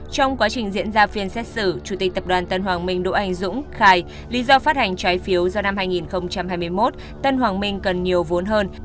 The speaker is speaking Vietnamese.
trong quá trình diễn ra phiên xét xử chủ tịch tập đoàn tân hoàng minh đỗ anh dũng khai lý do phát hành trái phiếu do năm hai nghìn hai mươi một tân hoàng minh cần nhiều vốn hơn